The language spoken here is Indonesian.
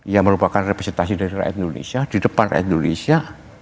yang merupakan representasi dari rakyat indonesia di depan indonesia